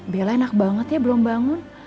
bella enak banget ya belum bangun